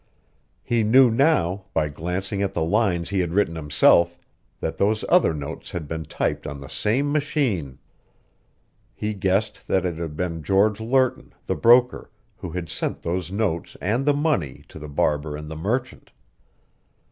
He knew now, by glancing at the lines he had written himself, that those other notes had been typed on the same machine. He guessed that it had been George Lerton, the broker, who had sent those notes and the money to the barber and the merchant.